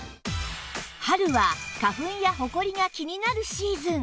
春は花粉やホコリが気になるシーズン